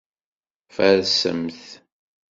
Farsemt.